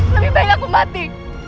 lebih baik aku mati